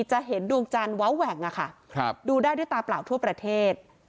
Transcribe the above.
จะเห็นดวงจันทร์เว้าแหว่งดูได้ด้วยตาเปล่าทั่วประเทศ